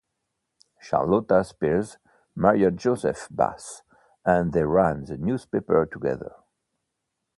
Charlotta Spears married Joseph Bass, and they ran the newspaper together.